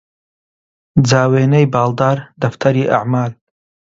جا وێنەی باڵدار دەفتەری ئەعمال